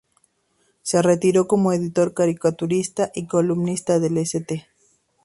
Se retiró como editor caricaturista y columnista del St.